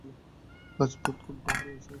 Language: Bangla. আজ বোধ করি তাঁহার আসা হইল না।